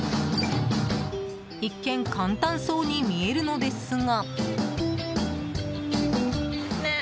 一見、簡単そうに見えるのですが。